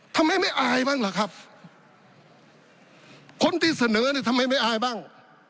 ทำให้ไม่อายบ้างเหรอครับคนที่เสนอทำให้ไม่อายบ้าง